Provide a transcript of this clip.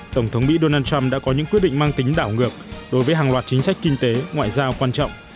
tổng thống mỹ donald trump đã có những quyết định mang tính đảo ngược đối với hàng loạt chính sách kinh tế ngoại giao quan trọng